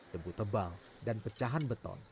debu tebal dan pecahan beton